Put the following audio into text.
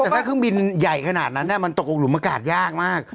แต่ถ้าเครื่องบินใหญ่ขนาดนั้นมันตกลงหลุมอากาศยากมาก